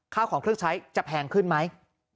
ข้าวของเครื่องใช้จะแพงขึ้นไหม